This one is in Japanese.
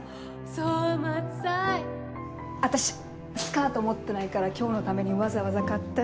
私スカート持ってないから今日のためにわざわざ買ったし。